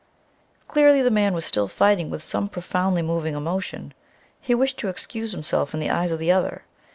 Clearly the man was still fighting with some profoundly moving emotion. He wished to excuse himself in the eyes of the other.